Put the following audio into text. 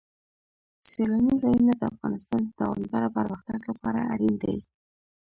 سیلانی ځایونه د افغانستان د دوامداره پرمختګ لپاره اړین دي.